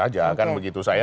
mbak rifana akan begitu saja